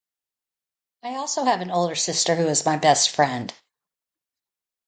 I also have an older sister who is my best friend.